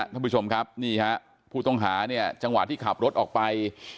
ท่านผู้ชมครับนี่ฮะผู้ต้องหาเนี่ยจังหวะที่ขับรถออกไป